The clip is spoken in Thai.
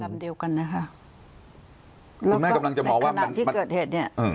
แล้วก็ในขณะที่เกิดเหตุเนี่ย